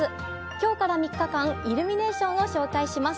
今日から３日間イルミネーションを紹介します。